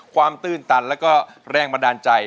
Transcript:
ความตื้นตันและแรงบันดาลใจ